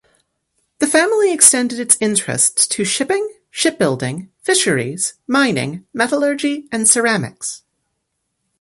The family extended its interests to shipping, shipbuilding, fisheries, mining, metallurgy and ceramics.